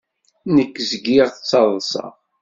Nekk zgiɣ ttaḍṣaɣ.